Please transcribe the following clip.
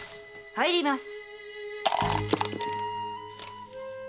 入ります。